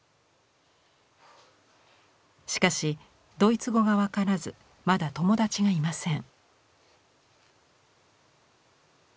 しかしドイツ語が分からずまだ友達がいません。